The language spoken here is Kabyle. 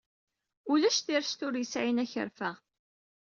Ulac tirect ur yesɛin akerfa.